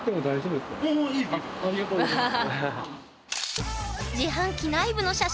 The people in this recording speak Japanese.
ありがとうございます。